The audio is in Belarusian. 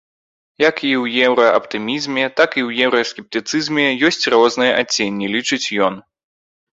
Як і ў еўрааптымізме, так і ў еўраскептыцызме ёсць розныя адценні, лічыць ён.